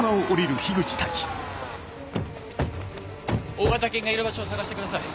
大型犬がいる場所を探してください。